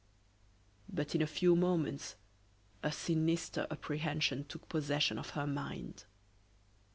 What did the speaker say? But in a few moments a sinister apprehension took possession of her mind.